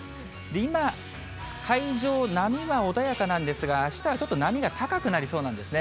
今、海上、波が穏やかなんですが、あしたはちょっと波が高くなりそうなんですね。